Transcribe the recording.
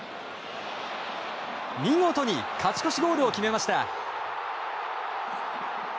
見事に勝ち越しゴールを決めました。